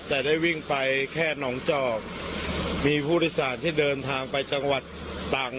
แต่ได้วิ่งไปแค่นองจอบมีพลฤษฎศาสตร์ที่เดินทางไปจังหวัดตรัง